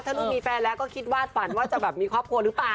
ถ้าลูกมีแฟนแล้วก็คิดว่าฝันว่าจะแบบมีครอบครัวหรือเปล่า